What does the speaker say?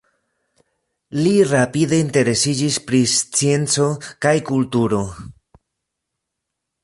Li rapide interesiĝis pri scienco kaj kulturo.